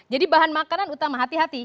jadi bahan makanan utama hati hati